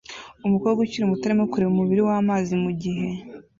Umukobwa ukiri muto arimo kureba umubiri wamazi mugihe